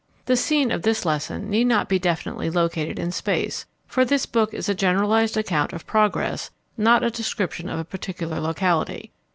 The scene of this lesson need not be definitely located in space, for this book is a generalized account of progress, not a description of a particular locality.